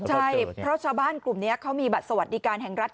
ใช่เพราะชาวบ้านกลุ่มนี้เขามีบัตรสวัสดิการแห่งรัฐ